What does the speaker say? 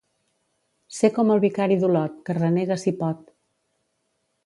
Ser com el vicari d'Olot, que renega si pot.